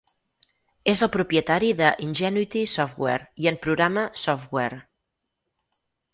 És el propietari de Ingenuity Software i en programa software.